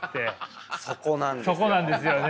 そこなんですよね。